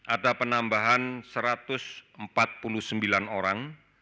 ada penambahan satu ratus empat puluh sembilan orang